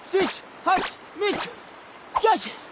よし！